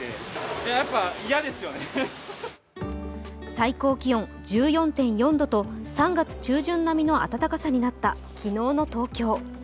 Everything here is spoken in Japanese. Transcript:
最高気温１４．４度と３月中旬並みの暖かさとなった昨日の東京。